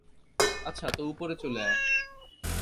আচ্ছা, তো উপরে চলে আয়।